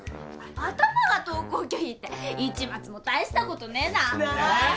アタマが登校拒否って市松も大したことねえな。なぁ！